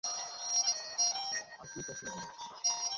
আর তুই পরচুলা বলিস।